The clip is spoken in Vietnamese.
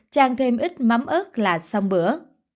chan thêm ít mắm ớt là xong bữa